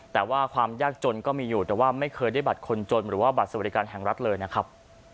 แต่ว่าความยากจนก็มีอยู่แต่ว่าไม่เคยได้บัตรคนจนหรือว่าบัตรสวัสดิการแห่งรัฐเลยนะครับ